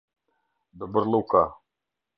Dobërlluka